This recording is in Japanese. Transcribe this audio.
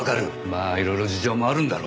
まあいろいろ事情もあるんだろう。